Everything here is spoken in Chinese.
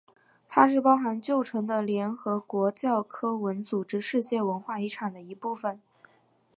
它是包含旧城的联合国教科文组织世界文化遗产的一部分。